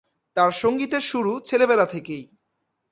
তার সঙ্গীতের শুরু ছেলেবেলা থেকেই।